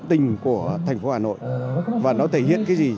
các trường phổ thông của thành phố hà nội và nó thể hiện cái gì